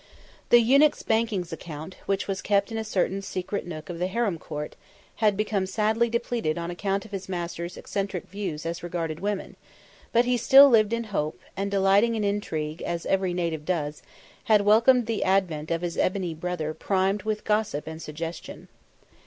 The eunuch's bankings account which was kept in a certain secret nook of the harem court had become sadly depleted on account of his master's eccentric views as regarded women, but he still lived in hope, and, delighting in intrigue, as every native does, had welcomed the advent of his ebony brother primed with gossip and suggestion.